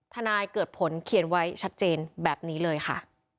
นายเกิดผลเขียนไว้ชัดเจนแบบนี้เลยค่ะ